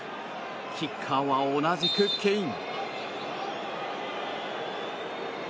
キッカーは同じくケイン。